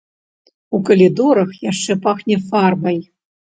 У калідорах яшчэ пахне фарбай.